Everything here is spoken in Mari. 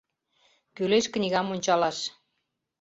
Кӱлеш книгам ончалаш.